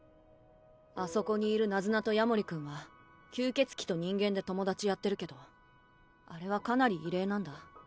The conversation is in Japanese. あそこにいるナズナと夜守君は吸血鬼と人間で友達やってるけどあれはかなり異例なんだ。